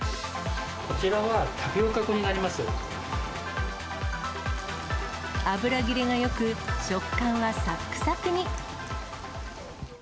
こちらは、油切れがよく、食感はさっくさくに。